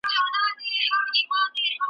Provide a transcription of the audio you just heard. وخت نا وخته د خپل حق کوي پوښتنه ,